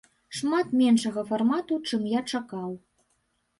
Шмат меншага фармату, чым я чакаў.